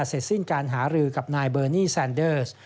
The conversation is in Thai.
เสร็จสิ้นการหารือกับนายเบอร์นี่แซนเดอร์ส